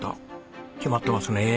決まってますね。